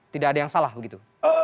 tidak ada yang salah begitu